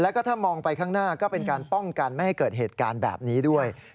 แล้วก็ถ้ามองไปข้างหน้าก็เป็นการป้องกันไม่ให้เกิดเหตุการณ์แบบนี้ด้วย